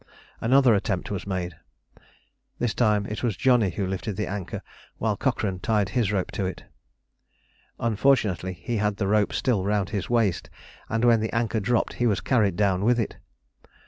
Another attempt was made. This time it was Johnny who lifted the anchor, while Cochrane tied his rope to it. Unfortunately he had the rope still round his waist, and when the anchor dropped he was carried down with it.